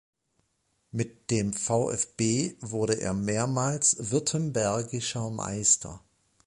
Mit dem VfB wurde er mehrmals Württembergischer Meister.